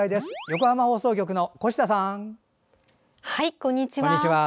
こんにちは。